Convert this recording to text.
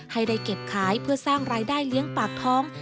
ให้ได้เก็บขายเพื่อสร้างรายได้เลี้ยงปากท้อง